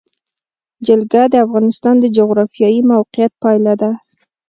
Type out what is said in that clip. جلګه د افغانستان د جغرافیایي موقیعت پایله ده.